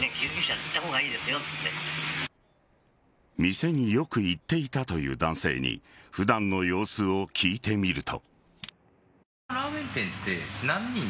店によく行っていたという男性に普段の様子を聞いてみると。